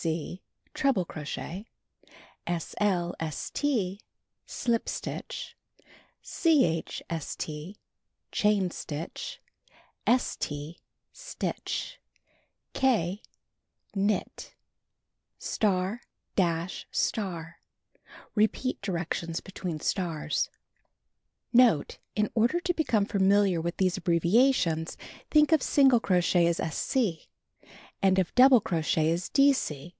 c. treble crochet sl.st. slip stitch ch.st. chain stitch st. stitch k_ __________ knit _^. repeat directions between stars Note. — In order to become familiar with these abbreviations — think of single crochet as "sc", and of double crochet as ''dc."